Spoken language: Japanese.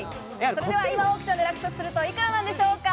それでは、今オークションで落札するといくらなんでしょうか？